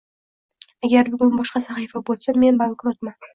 Agar bugun boshqa sahifa bo'lsa, men bankrotman